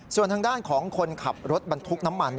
ส่วนทางด้านของคนขับรถบรรทุกน้ำมัน